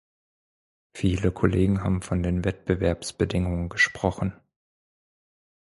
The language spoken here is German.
Viele Kollegen haben von den Wettbewerbsbedingungen gesprochen.